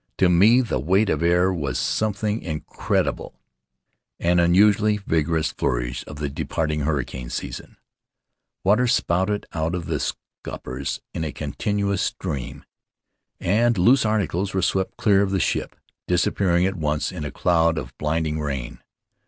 To me the weight of air was some thing incredible, an unusually vigorous flourish of the departing hurricane season. Water spouted out of the scuppers in a continuous stream, and loose articles In the Cloud of Islands were swept clear of the ship, disappearing at once in a cloud of blinding rain.